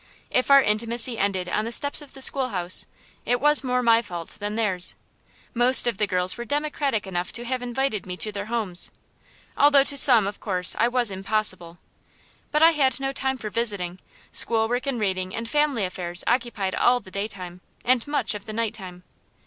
If our intimacy ended on the steps of the school house, it was more my fault than theirs. Most of the girls were democratic enough to have invited me to their homes, although to some, of course, I was "impossible." But I had no time for visiting; school work and reading and family affairs occupied all the daytime, and much of the night time.